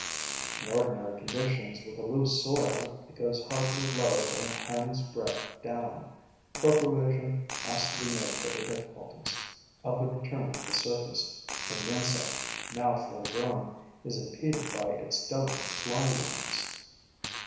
In ordinary conditions, with a loose soil, it goes hardly lower than a hand's breadth down, for provision has to be made for the difficulties of the return to the surface when the insect, now full grown, is impeded by its delicate fly wings.